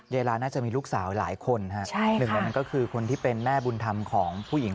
เวลาน่าจะมีลูกสาวหลายคนฮะหนึ่งในนั้นก็คือคนที่เป็นแม่บุญธรรมของผู้หญิง